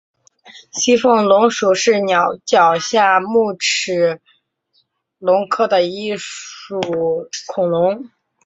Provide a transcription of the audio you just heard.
西风龙属是鸟脚下目棱齿龙科的一属恐龙。